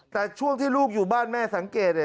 แต่ช่วงที่ลูกอยู่บ้านแม่สังเกต